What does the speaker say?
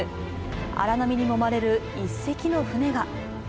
荒波にもまれる１隻の船が。